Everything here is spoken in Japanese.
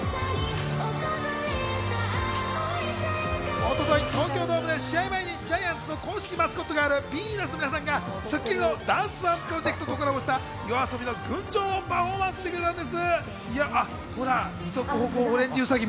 一昨日、東京ドームで試合前にジャイアンツの公式マスコットガール、ヴィーナスの皆さんが『スッキリ』のダンスＯＮＥプロジェクトとコラボしたＹＯＡＳＯＢＩの『群青』をパフォーマンスしてくれたんです。